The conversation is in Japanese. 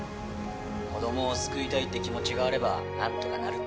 子供を救いたいって気持ちがあれば何とかなるって。